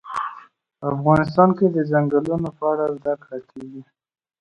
افغانستان کې د ځنګلونه په اړه زده کړه کېږي.